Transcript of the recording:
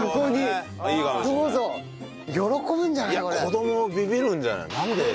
子供ビビるんじゃない？